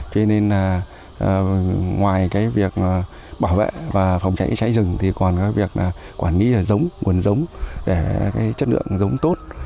cho nên ngoài việc bảo vệ và phòng chảy rừng còn việc quản lý rống nguồn rống chất lượng rống tốt